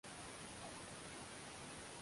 Ila damu yake Yesu